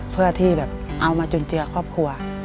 เพื่อที่แบบเอามาจุนเจือครอบครัว